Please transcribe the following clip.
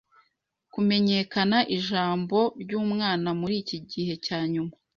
kumenyekana Ijambo nk'Umwana muri iki gihe cya nyuma